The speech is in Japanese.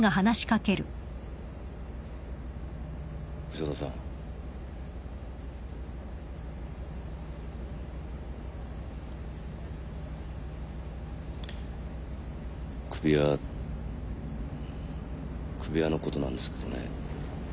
・潮田さん首輪首輪のことなんですけどね